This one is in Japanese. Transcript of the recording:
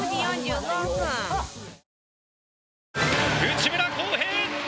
内村航平